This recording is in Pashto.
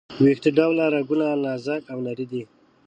ویښته ډوله رګونه نازکه او نري دي.